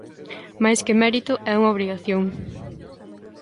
Máis que mérito, é unha obrigación.